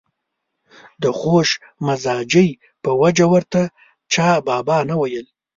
د خوش مزاجۍ په وجه ورته چا بابا نه ویل.